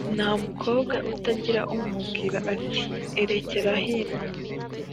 Nta mukobwa utagira umubwira ati erecyera hino.